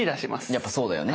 やっぱそうだよね。